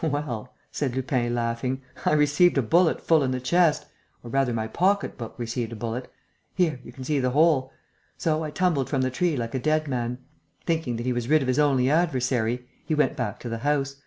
"Well," said Lupin, laughing, "I received a bullet full in the chest ... or rather my pocket book received a bullet.... Here, you can see the hole.... So I tumbled from the tree, like a dead man. Thinking that he was rid of his only adversary, he went back to the house.